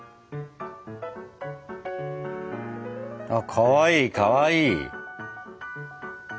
かわいいかわいい。